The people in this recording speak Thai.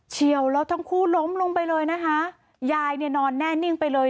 เชี่ยวแล้วทั้งคู่ล้มลงไปเลยนะคะยายเนี่ยนอนแน่นิ่งไปเลย